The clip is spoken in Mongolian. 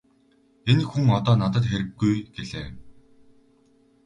Энэ хүн одоо надад хэрэггүй -гэлээ.